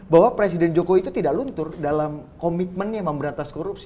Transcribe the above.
bahwa presiden jokowi itu tidak luntur dalam komitmennya memberantas korupsi